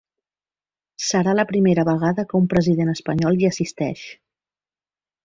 Serà la primera vegada que un president espanyol hi assisteix.